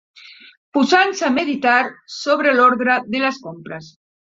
Posant-se a meditar sobre l'ordre de les compres